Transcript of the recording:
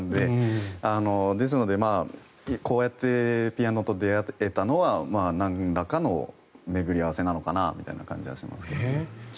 ですので、こうやってピアノと出会えたのはなんらかの巡り合わせなのかなという感じはしますね。